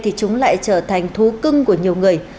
thì chúng lại trở thành thú cưng của nhiều người